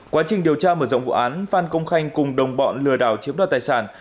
quá trình điều tra mở rộng vụ án phan công khanh cùng đồng bọn lừa đảo chiếm đoạt tài sản